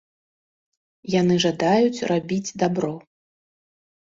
Яны жадаюць рабіць дабро.